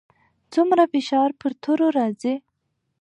څومره فشار پر تورو راځي؟